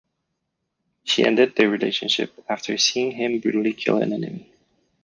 She ended their relationship after seeing him brutally kill an enemy.